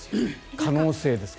可能性ですよ。